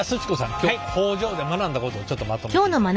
今日工場で学んだことをちょっとまとめていただいて。